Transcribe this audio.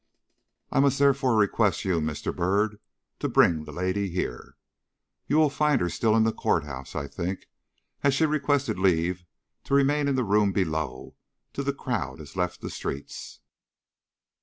I must therefore request you, Mr. Byrd, to bring the lady here. You will find her still in the court house, I think, as she requested leave to remain in the room below till the crowd had left the streets."